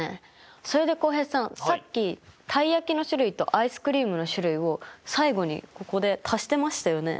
それで浩平さんさっきたい焼きの種類とアイスクリームの種類を最後にここで足してましたよね。